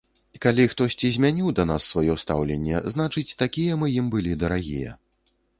Калі хтосьці змяніў да нас сваё стаўленне, значыць, такія мы ім былі дарагія.